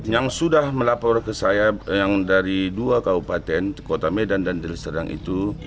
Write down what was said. yang sudah melapor ke saya yang dari dua kabupaten kota medan dan deli serdang itu